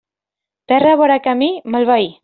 Terra vora camí, mal veí.